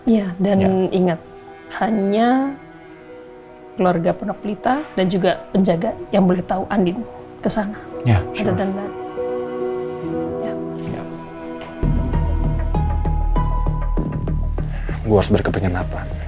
ya dan ingat hanya keluarga ponok pelita dan juga penjaga yang boleh tahu andin kesana